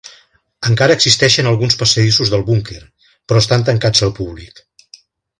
Encara existeixen alguns passadissos del búnquer, però estan tancats al públic.